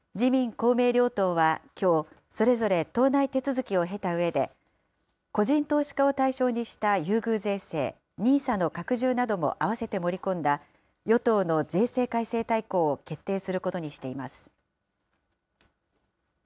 公明両党はきょう、それぞれ党内手続きを経たうえで、個人投資家を対象にした優遇税制、ＮＩＳＡの拡充なども合わせて盛り込んだ与党の税制改正大綱を決定することにしています。